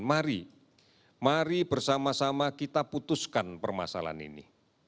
mari mari bersama sama kita putuskan permasalahan ini